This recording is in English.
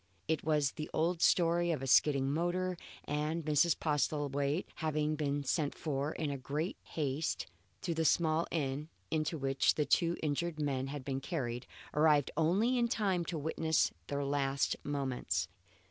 It was the old story of a skidding motor, and Mrs. Postlethwaite, having been sent for in great haste to the small inn into which the two injured men had been carried, arrived only in time to witness their last moments.